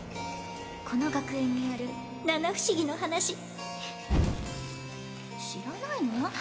この学園にある七不思議の話知らないの？